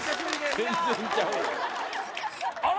全然ちゃうやん。